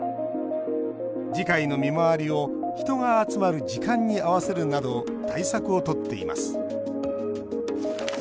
次回の見回りを人が集まる時間に合わせるなど対策をとっています。